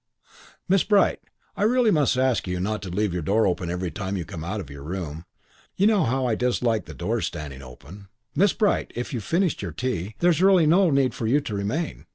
"Miss Bright, I really must ask you not to leave your door open every time you come out of your room. You know how I dislike the doors standing open." "Miss Bright, if you've finished your tea, there's really no need for you to remain."